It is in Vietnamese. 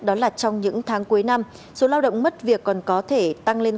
đó là trong những tháng cuối năm số lao động mất việc còn có thể tăng lên